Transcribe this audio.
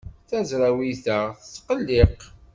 Taẓrawit-a tettqelliq.